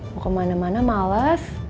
mau kemana mana males